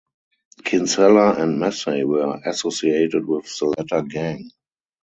Kinsella and Massey were associated with the latter gang.